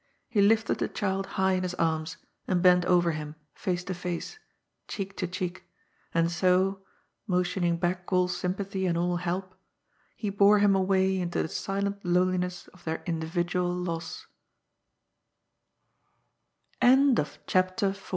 He lifted the child high in his arms, and bent over him,. &ce to face, cheek to cheek, and so — motioning back all sympathy and all help— he bore him away into the silent loneliness of their indi